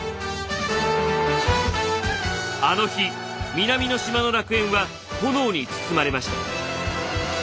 あの日南の島の楽園は炎に包まれました。